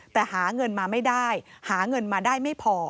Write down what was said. แต่หาเงินมาไม่ได้หาเงินมาได้ไม่พอ